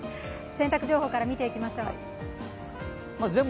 洗濯情報から見ていきましょう。